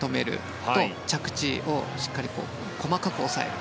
あと着地をしっかり細かく抑える。